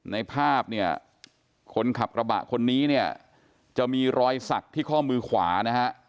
ในภาพเนี่ยคนขับกระบะคนนี้เนี่ยจะมีรอยสักที่ข้อมือขวานะฮะ